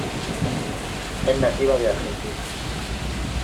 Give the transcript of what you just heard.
Es nativa de Argentina.